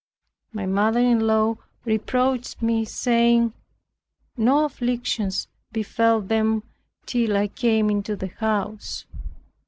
My mother in law reproached me, saying, "No afflictions befell them till I came into the house.